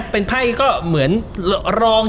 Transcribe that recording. เป็นไพ่ก็เหมือนรอง